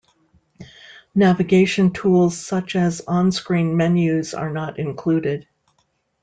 Navigation tools such as on-screen menus are not included.